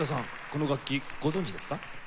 この楽器ご存じですか？